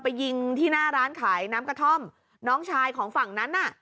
ยิงที่หน้าร้านขายน้ำกระท่อมน้องชายของฝั่งนั้นน่ะ